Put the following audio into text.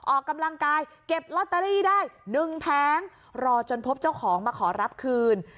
ออกกำลังกายเก็บลอตเตอรี่ได้๑แผงรอจนพบเจ้าของมาขอรับคืน